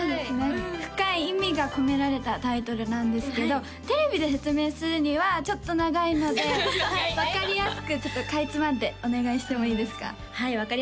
深い意味が込められたタイトルなんですけどテレビで説明するにはちょっと長いので分かりやすくちょっとかいつまんでお願いしてもいいですか？